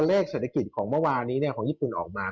เป็นยังไงบ้าง